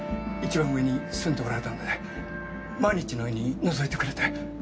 一番上に住んでおられたので毎日のようにのぞいてくれて。